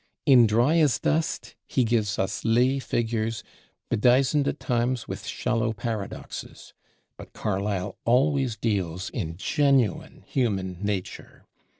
In Dryasdust he gives us lay figures, bedizened at times with shallow paradoxes; but Carlyle always deals in genuine human nature.